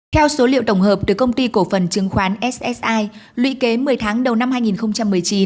theo số liệu tổng hợp từ công ty cổ phần chứng khoán ssi lũy kế một mươi tháng đầu năm hai nghìn một mươi chín